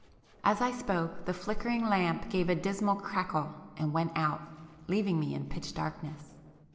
As I spoke, the flickering lamp gave a dismal crackle and went out, leaving me in pitch darkness.